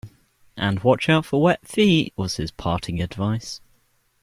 And watch out for wet feet, was his parting advice.